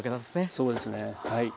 そうですねはい。